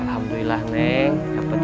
assalamualaikum neng aku pulang